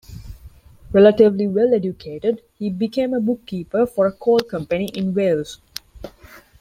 Relatively well-educated, he became a bookkeeper for a coal company in Wales.